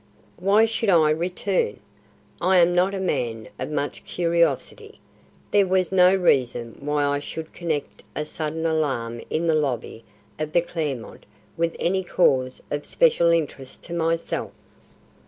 "Why should I return? I am not a man of much curiosity. There was no reason why I should connect a sudden alarm in the lobby of the Clermont with any cause of special interest to myself."